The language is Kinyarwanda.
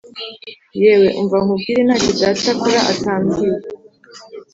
Yewe, umva nkubwire, nta cyo data akora atambwiye